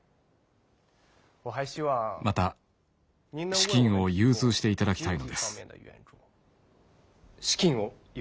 資金を融通していただきたいのです。